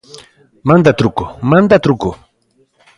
¡Manda truco!, ¡manda truco!